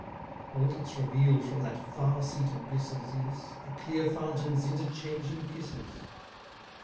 All that's reveal'd from that far seat of blisses, Is, the clear fountains' interchanging kisses.